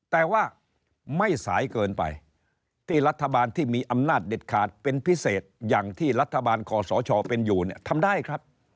แต่ว่าไม่สายเกินไปที่รัฐบาลที่มีอำนาจเด็ดขาดเป็นพิเศษอย่างที่รัฐบาลคอสชเป็นอยู่เนี่ยทำได้ครับ